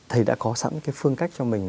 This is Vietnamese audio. thầy đã có sẵn cái phương cách cho mình